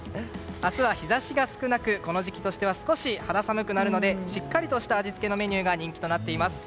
明日は日差しが少なくこの時期としては少し肌寒くなるのでしっかりとした味付けのメニューが人気となっています。